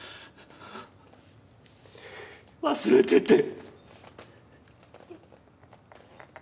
忘れてて。